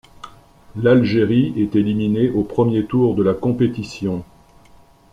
L'Algérie est éliminée au premier tour de la compétition.